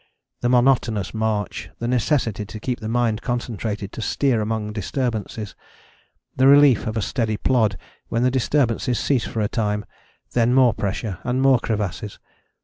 The monotonous march: the necessity to keep the mind concentrated to steer amongst disturbances: the relief of a steady plod when the disturbances cease for a time: then more pressure and more crevasses.